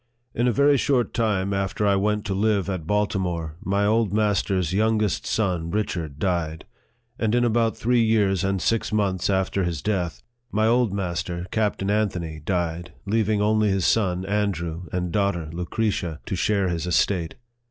IN a very short time after I went to live at Baltimore, my old master's youngest son Richard died; and in about three years and six months after his death, my old master, Captain Anthony, died, leaving only his son, Andrew, and daughter, Lucretia, to share his estate.